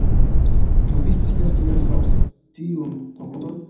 Ĉu vi scias kial mi faras tiun konkludon?